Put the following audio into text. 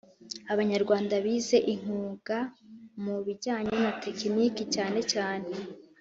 Abanyarwanda bize inkuga mu bijyanye na tekiniki cyanecyane